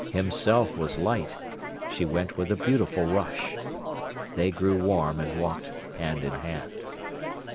Himself was light; she went with a beautiful rush. They grew warm, and walked hand in hand.